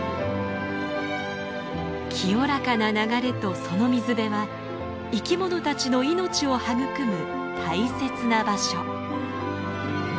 清らかな流れとその水辺は生き物たちの命を育む大切な場所。